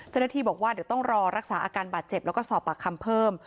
เจ้าหน้าที่บอกว่าเดี๋ยวต้องรอรักษาอาการบาดเจ็บแล้วก็สอบปากคำเพิ่ม